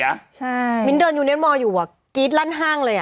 ใช่มิ้นเดินยูเนียนมอร์อยู่กรี๊ดลั่นห้างเลยอ่ะ